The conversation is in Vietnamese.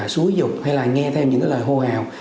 xúi dụng hay là nghe theo những lời hô hào